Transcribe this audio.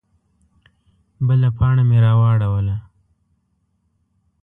_بله پاڼه مې راواړوله.